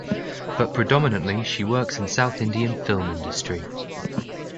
But predominantly she works in South Indian film industry.